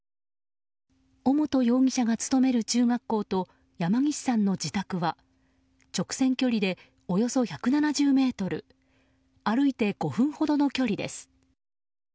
尾本容疑者が勤める中学校と山岸さんの自宅は直線距離でおよそ１７０ｍ歩いて５分ほどの距離です。